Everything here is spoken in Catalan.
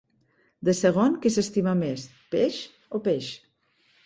De segon què s'estima més, peix o peix?